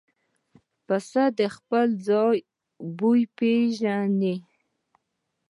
پسه د خپل ځای بوی پېژني.